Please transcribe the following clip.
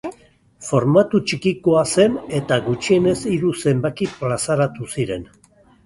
Formatu txikikoa zen eta gutxienez hiru zenbaki plazaratu ziren.